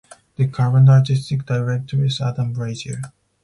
The current artistic director is Adam Brazier.